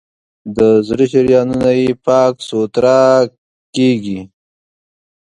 د زړه شریانونه یې پاک سوتړه کېږي.